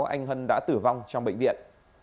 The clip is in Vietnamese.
anh hân đã tử vong trong bệnh viện